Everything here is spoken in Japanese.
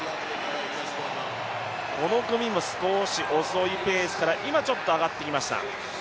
この組も少し遅いペースから今ちょっと上がってきました。